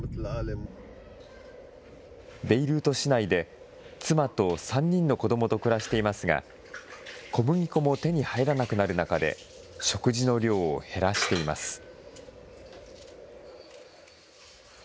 ベイルート市内で、妻と３人の子どもと暮らしていますが、小麦粉も手に入らなくなる中で、食事の量を減らしています。